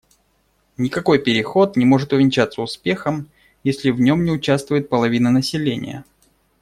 Никакой переход не может увенчаться успехом, если в нем не участвует половина населения.